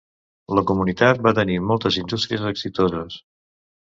La Comunitat va tenir moltes indústries exitoses.